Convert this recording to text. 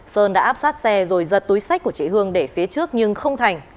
sơn đã áp sát xe rồi giật túi sách của chị hương để phía trước nhưng không thành